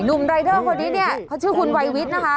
หนุ่มนายเนอะกแต่คือคุณวัยวิทย์นะคะ